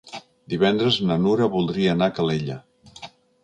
Divendres na Nura voldria anar a Calella.